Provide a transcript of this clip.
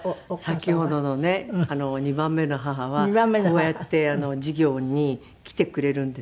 先ほどのね２番目の母はこうやって授業に来てくれるんですよ。